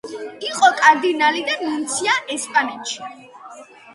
იყო კარდინალი და ნუნცია ესპანეთში.